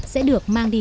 sẽ được mang đi